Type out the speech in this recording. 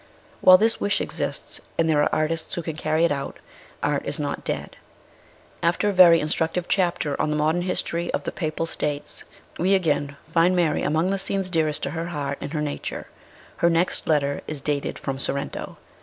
While this wish exists, and there are artists who can carry it out, art is not dead. After a very instructive chapter on the modern history of the Papal States, we again find Mary among the scenes dearest to her heart and her nature : her next letter is dated from Sorrento.